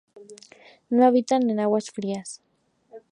No habitan en aguas frías.